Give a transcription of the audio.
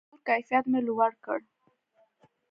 د انځور کیفیت مې لوړ کړ.